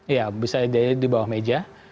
iya bisa jadi di bawah meja